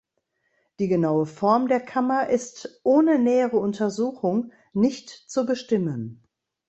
Die genaue Form der Kammer ist ohne nähere Untersuchung nicht zu bestimmen.